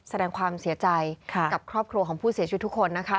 แสดงความเสียใจกับครอบครัวของผู้เสียชีวิตทุกคนนะคะ